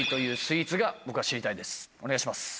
お願いします。